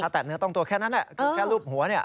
แต่เนื้อต้องตัวแค่นั้นแหละแค่ลูบหัวเนี่ย